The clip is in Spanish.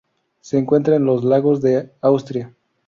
Se encuentra en los lagos de Austria.